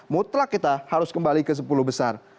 mutlak kita harus kembali ke sepuluh besar